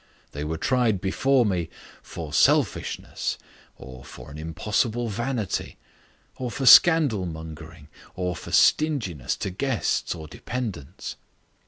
They were tried before me for selfishness, or for an impossible vanity, or for scandalmongering, or for stinginess to guests or dependents.